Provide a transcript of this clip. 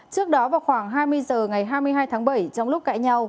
trước đó vào khoảng hai mươi h ngày hai mươi hai tháng bảy trong lúc cãi nhau